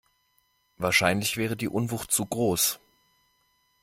Wahrscheinlich wäre die Unwucht zu groß.